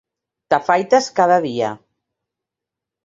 T'afaites cada dia.